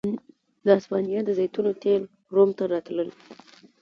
د هسپانیا د زیتونو تېل روم ته راتلل